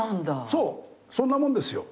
そんなもんですよ。